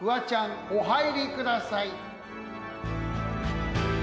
お入りください。